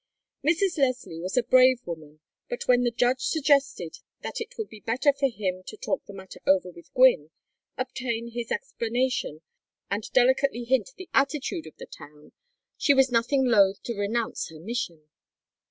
XXIX Mrs. Leslie was a brave woman, but when the judge suggested that it would be better for him to talk the matter over with Gwynne, obtain his explanation, and delicately hint the attitude of the town, she was nothing loath to renounce her mission.